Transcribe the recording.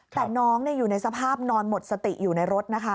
แต่น้องอยู่ในสภาพนอนหมดสติอยู่ในรถนะคะ